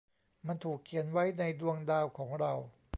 มันถูกเขียนไว้ในดวงดาวของเรา